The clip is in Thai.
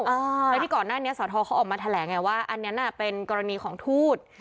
แล้วที่ก่อนหน้านี้สทเขาออกมาแถลงไงว่าอันนั้นเป็นกรณีของทูต